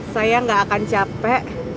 saya gak akan capek